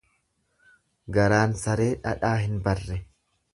Garaan saree dhadhaa hin barre.